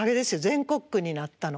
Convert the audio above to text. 全国区になったの。